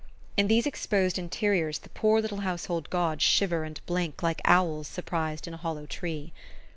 In these exposed interiors the poor little household gods shiver and blink like owls surprised in a hollow tree.